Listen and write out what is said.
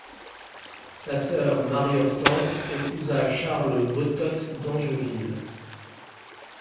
Sa sœur Marie-Hortense épousa Charles Botot Dangeville.